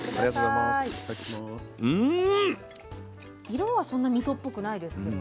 色はそんなみそっぽくないですけど。